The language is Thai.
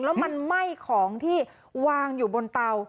แล้วมันไหม้ของที่วางอยู่บนเตา